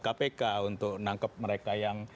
kpk untuk menangkap mereka yang